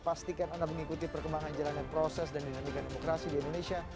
pastikan anda mengikuti perkembangan jalanan proses dan dinamika demokrasi di indonesia